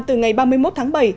từ ngày ba mươi một bảy